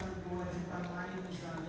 harus memaklumkan berangga dari